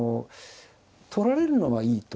取られるのはいいと。